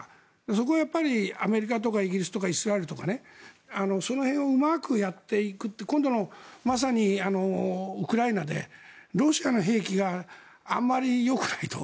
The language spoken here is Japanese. そこはアメリカとかイギリスとかイスラエルとかその辺をうまくやっていく今度のまさにウクライナでロシアの兵器があまりよくないと。